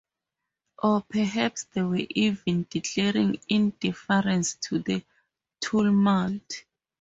Or perhaps they were even declaring indifference to the tumult.